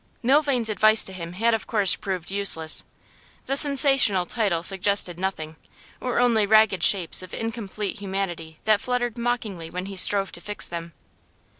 Milvain's advice to him had of course proved useless. The sensational title suggested nothing, or only ragged shapes of incomplete humanity that fluttered mockingly when he strove to fix them.